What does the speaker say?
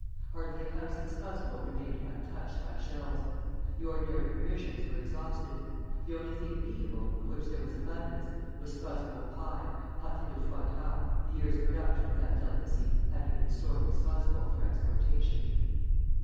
Hardly a house in Strasburg remained untouched by shells. The ordinary provisions were exhausted. The only thing eatable, of which there was abundance, was Strasburg pie, paté de foie gras, the year's production of that delicacy having been stored in Strasburg for exportation.